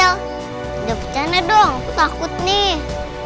jangan berjalan dong aku takut nih